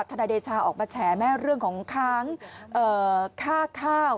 นายเดชาออกมาแฉแม่เรื่องของค้างค่าข้าว